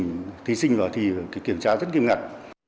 những thí sinh vào thì kiểm tra rất nghiêm ngặt